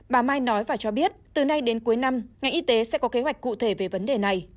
bà mai nói và cho biết từ nay đến cuối năm ngành y tế sẽ có kế hoạch cụ thể về vấn đề này